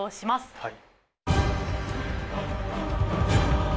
はい。